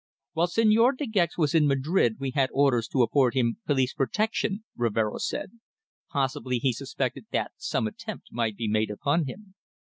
"While Señor De Gex was in Madrid we had orders to afford him police protection," Rivero said. "Possibly he suspected that some attempt might be made upon him.